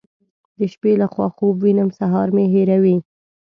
د شپې له خوا خوب وینم سهار مې هېروي.